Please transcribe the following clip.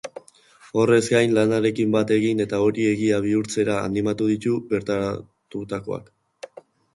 Horrez gain, lanarekin bat egin eta hori egia bihurtzera animatu ditu bertaratutakoak.